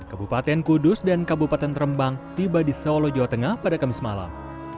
kabupaten kudus dan kabupaten rembang tiba di solo jawa tengah pada kamis malam